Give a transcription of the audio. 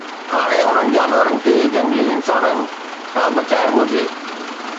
هاڻي انهن جانورن کي جهنگلي انسانن کان بچائڻ گهرجي